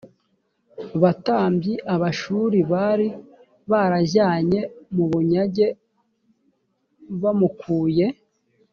batambyi abashuri bari barajyanye mu bunyage bamukuye